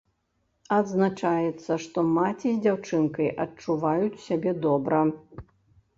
Адзначаецца, што маці з дзяўчынкай адчуваюць сябе добра.